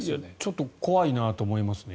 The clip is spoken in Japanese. ちょっと怖いなと思いますね。